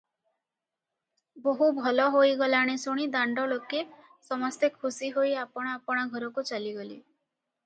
ବୋହୂ ଭଲ ହୋଇଗଲାଣି ଶୁଣି ଦାଣ୍ଡଲୋକେ ସମସ୍ତେ ଖୁସି ହୋଇ ଆପଣା ଆପଣା ଘରକୁ ଚାଲିଗଲେ ।